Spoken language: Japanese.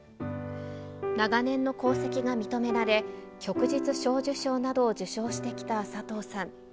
長年の功績が認められ、旭日小綬章などを受章してきたサトウさん。